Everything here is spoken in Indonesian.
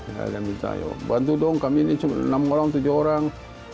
saya minta ayo bantu dong kami ini cuma enam orang tujuh orang